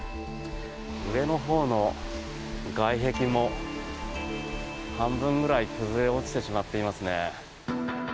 上のほうの外壁も半分ぐらい崩れ落ちてしまっていますね。